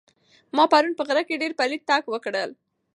ما پرون په غره کې ډېر پلی تګ وکړ.